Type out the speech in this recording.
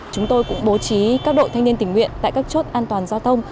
chúng tôi cũng bố trí các đội thanh niên tình nguyện tại các chốt an toàn giao thông